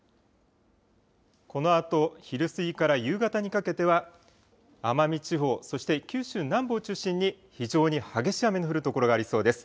このあと昼過ぎから夕方にかけては奄美地方、そして九州南部を中心に非常に激しい雨の降る所がありそうです。